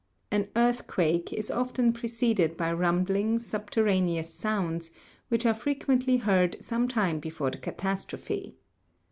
An earthquake is often preceded by rumbling, subterra neous sounds, which are frequently heard some time before the catastrophe.